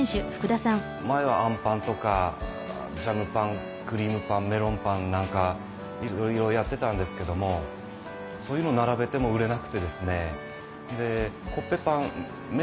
前はあんぱんとかジャムパンクリームパンメロンパンなんかいろいろやってたんですけどもそういうの並べても売れなくてですね。